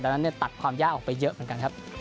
ดังนั้นตัดความยากออกไปเยอะเหมือนกันครับ